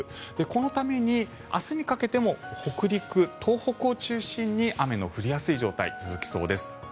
このために明日にかけても北陸、東北を中心に雨の降りやすい状態が続きそうです。